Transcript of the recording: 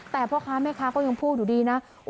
แต่พ่อค้าแม่ค้าก็ยังพูดอยู่ดีนะ